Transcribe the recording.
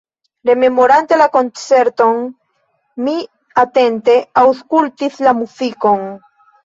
Rememorante la koncerton, mi atente aŭskultis la muzikon.